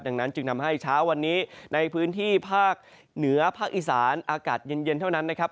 ดังนั้นจึงทำให้เช้าวันนี้ในพื้นที่ภาคเหนือภาคอีสานอากาศเย็นเท่านั้นนะครับ